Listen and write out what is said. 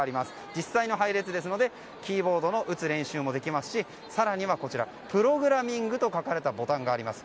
実際の配列ですのでキーボードを打つ練習もできますし更にはプログラミングと書かれたボタンがあります。